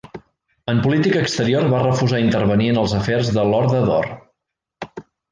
En política exterior va refusar intervenir en els afers de l'Horda d'Or.